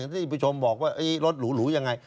ที่ผู้ชมบอกว่ารถหรูยังไง